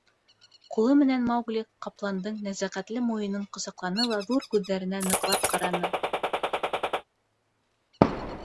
— Ҡулы менән Маугли ҡапландың нәзәкәтле муйынын ҡосаҡланы ла ҙур күҙҙәренә ныҡлап ҡараны.